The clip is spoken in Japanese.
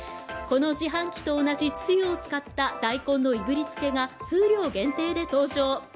この自販機と同じつゆを使った大根のいぶりづけ数量限定で登場。